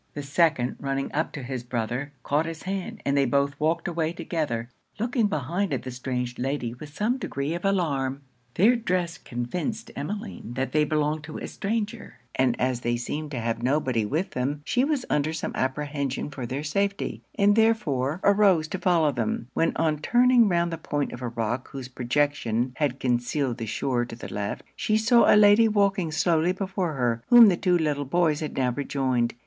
The second running up to his brother, caught his hand, and they both walked away together, looking behind at the strange lady with some degree of alarm. Their dress convinced Emmeline that they belonged to a stranger; and as they seemed to have nobody with them, she was under some apprehension for their safety, and therefore arose to follow them, when on turning round the point of a rock whose projection had concealed the shore to the left, she saw a lady walking slowly before her, whom the two little boys had now rejoined.